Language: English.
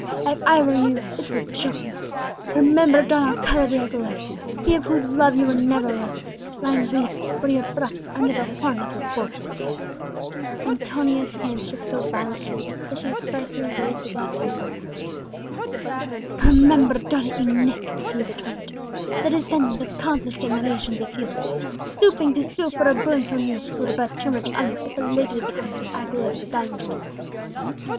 "If I were you, it would choke me! Remember Don Alcala de Aguilera he of whose love you never were worthy lying bleeding, for your pride, under the horn of a bull!" Antonia's hand shook so violently, that she could scarcely raise the glass to her lips. "Remember Donna Inez," continued the tormentor, "the descendant of countless generations of heroes, stooping to sue for a boon from you, who were but too much honoured if a lady of the house of Aguilera deigned to enter your gate.